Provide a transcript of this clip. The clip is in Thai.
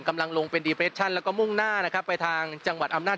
กำลังลงเป็นดีเปรตชั่นแล้วก็มุ่งหน้านะครับไปทางจังหวัดอำนาจ